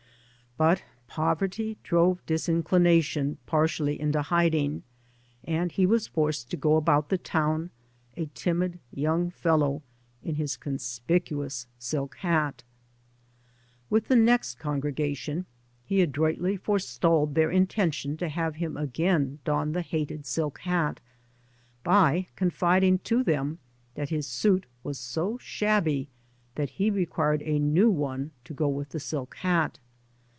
But poverty drove disinclination partially into hiding, and he was forced to go about the town, a timid young fellow in his conspicuous silk hat. [i6] bvCoot^lc MY MOTHER AND I With his next congregation he adroitly forestalled their intention to have him again don the hated silk hat by confiding to them that his suit was so shabby that he required a new one to go with the silk hat.